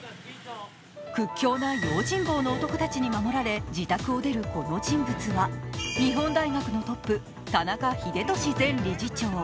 屈強な用心棒の男たちに守られ自宅を出るこの人物が日本大学のトップ田中英寿前理事長。